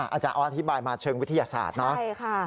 อาจารย์ออสอธิบายมาเชิงวิทยาศาสตร์เนอะใช่ค่ะ